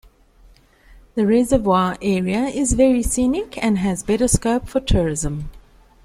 The reservoir area is very scenic and has better scope for tourism.